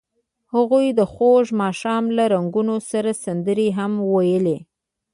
هغوی د خوږ ماښام له رنګونو سره سندرې هم ویلې.